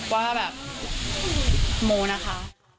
ว่าโมนะคะ